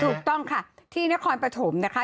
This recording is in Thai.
ถูกต้องค่ะที่นครปฐมนะคะ